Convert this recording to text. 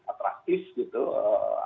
ada partisipasi pembentuk